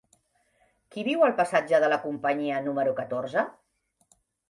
Qui viu al passatge de la Companyia número catorze?